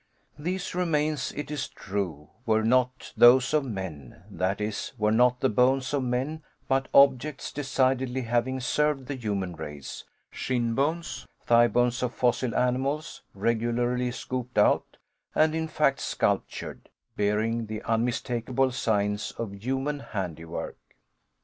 These remains, it is true, were not those of men; that is, were not the bones of men, but objects decidedly having served the human race: shinbones, thighbones of fossil animals, regularly scooped out, and in fact sculptured bearing the unmistakable signs of human handiwork.